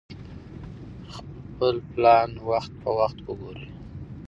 خپل پلان وخت په وخت وګورئ.